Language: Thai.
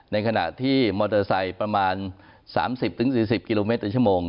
ในขณะที่มอเตอร์ไซค์ประมาณ๓๐๔๐กิโลเมตรในชั่วโมง